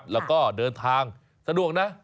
แล้วก็เดินทางสะดวกนะ